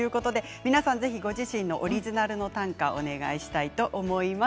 ご自身のオリジナルの短歌をお願いしたいと思います。